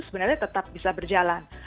sebenarnya tetap bisa berjalan